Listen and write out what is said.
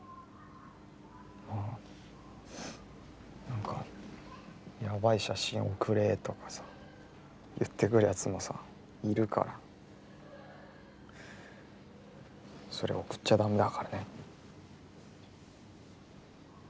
なんかやばい写真送れとかさ言ってくるやつもさいるからそれ送っちゃだめだからね？